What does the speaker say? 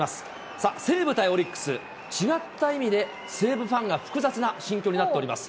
さあ西武対オリックス、違った意味で、西武ファンが複雑な心境になっております。